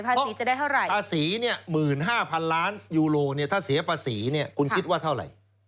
เพราะภาษีเนี่ย๑๕๐๐๐ล้านยูโรถ้าเสียภาษีเนี่ยคุณคิดว่าเท่าไร